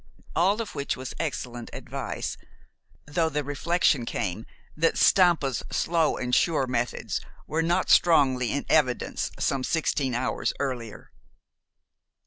All of which was excellent advice, though the reflection came that Stampa's "slow and sure" methods were not strongly in evidence some sixteen hours earlier.